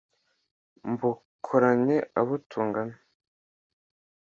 mbakoranye abo tungana